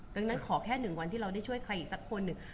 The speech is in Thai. ดังนั้นขอแค่๑วันที่เราได้ช่วยใครอีกสักคนหนึ่ง